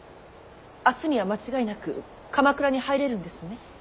明日には間違いなく鎌倉に入れるんですね。